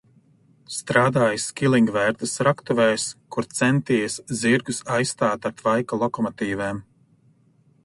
Strādājis Kilingvērtas raktuvēs, kur centies zirgus aizstāt ar tvaika lokomotīvēm.